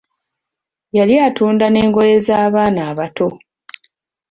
Yali atunda n'engoye z'abaana abato.